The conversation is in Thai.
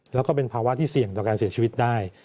แล้วก็เป็นภาวะที่เสี่ยงต่อการเสียชีวิตได้